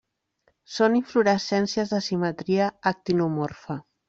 Són inflorescències de simetria actinomorfa.